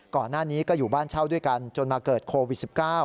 ก่อนหน้านี้ก็อยู่บ้านเช่าด้วยกันจนมาเกิดโควิด๑๙